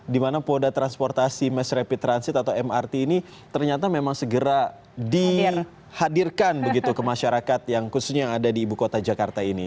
dimana moda transportasi mass rapid transit atau mrt ini ternyata memang segera dihadirkan begitu ke masyarakat yang khususnya yang ada di ibu kota jakarta ini